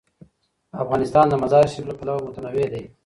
افغانستان د مزارشریف له پلوه متنوع دی.